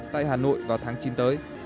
tại hà nội vào tháng chín tới